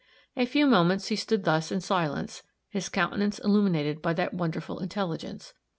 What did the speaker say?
A few moments he stood thus in silence, his countenance illuminated by that wonderful intelligence.